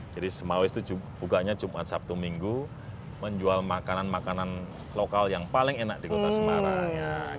jadi semawis itu bukanya jumat sabtu minggu menjual makanan makanan lokal yang paling enak di kota semarang